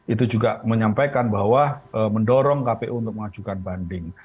itu juga menyampaikan bahwa mendorong kpu untuk mengajukan banding